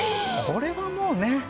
これはもうね。